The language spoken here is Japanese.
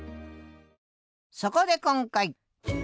そこで今回！